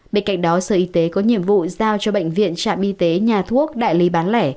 bên cạnh đó sở y tế có nhiệm vụ giao cho bệnh viện trạm y tế nhà thuốc đại lý bán lẻ